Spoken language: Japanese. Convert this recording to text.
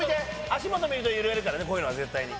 足元見ると揺れるからねこういうのは絶対に。